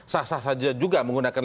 sah sah saja juga menggunakan